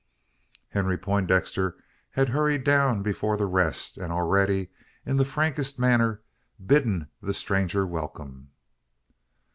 Henry Poindexter had hurried down before the rest, and already, in the frankest manner, bidden the stranger welcome.